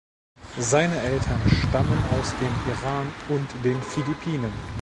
Seine Eltern stammen aus dem Iran und den Philippinen.